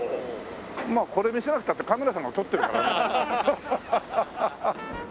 まあこれ見せなくたってカメラさんが撮ってるから。